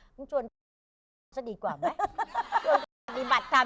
นึงชวนใจเหมือนจะดีกว่าไหม